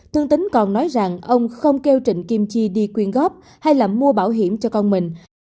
tương tính còn nói rằng ông không kêu trịnh kim chi đi quyên góp hay là mua bảo hiểm cho con mình